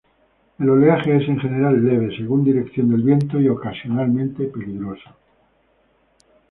El oleaje es en general leve, según dirección del viento, y ocasionalmente peligroso.